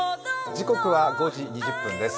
時刻は５時２０分です。